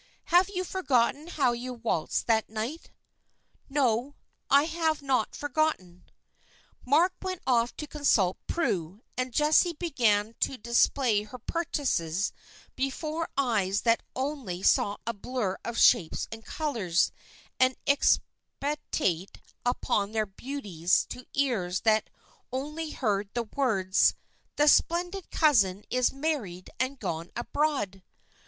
Have you forgotten how you waltzed that night?" "No, I've not forgotten." Mark went off to consult Prue, and Jessie began to display her purchases before eyes that only saw a blur of shapes and colors, and expatiate upon their beauties to ears that only heard the words "The splendid cousin is married and gone abroad."